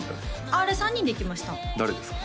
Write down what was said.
あれ３人で行きました誰ですか？